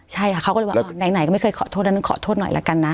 ใช่ค่ะเขาก็เลยว่าไหนก็ไม่เคยขอโทษอันนั้นขอโทษหน่อยละกันนะ